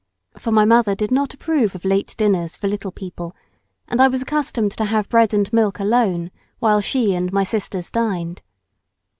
For my mother did not approve of late dinners for little people, and I was accustomed to have bread and milk alone while she and my sisters dined.